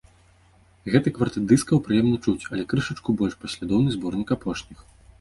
Гэты квартэт дыскаў прыемна чуць, але крышачку больш паслядоўны зборнік апошніх.